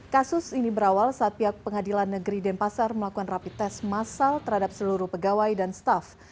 kasus ini berawal saat pihak pengadilan negeri denpasar melakukan rapi tes masal terhadap seluruh pegawai dan staff